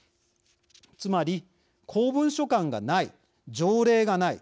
つまり、公文書館がない条例がない。